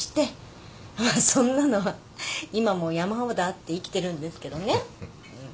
そんなのは今も山ほどあって生きてるんですけどね。